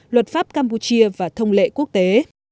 luật pháp campuchia và thông lệ quốc tế